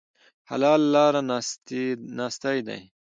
حل لاره ناستې دي.